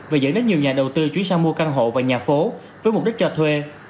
và dẫn đến nhiều nhà đầu tư chuyển sang mua căn hộ và nhà phố với mục đích cho thuê